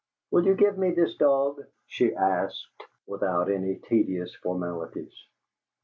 "Will you give me this dog?" she asked, without any tedious formalities.